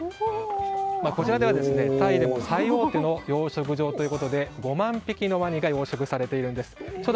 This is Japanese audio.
こちらではタイでも最大手の養殖場ということで５万匹のワニが養殖されています。